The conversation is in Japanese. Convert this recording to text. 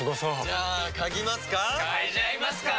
じゃあ嗅ぎますか！